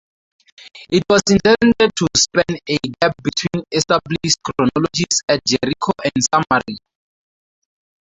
It was intended to span a gap between established chronologies at Jericho and Samaria.